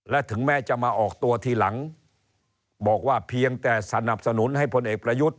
และถึงแม้จะมาออกตัวทีหลังบอกว่าเพียงแต่สนับสนุนให้พลเอกประยุทธ์